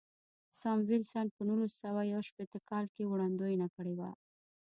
ساموېلسن په نولس سوه یو شپېته کال کې وړاندوینه کړې وه.